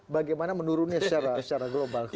bagaimana menurunnya secara global